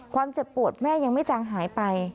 เจ็บปวดแม่ยังไม่จางหายไป